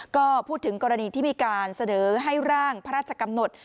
ก็พูดถึงกรณีที่มีการเสนอให้ร่างพระราชกำหนด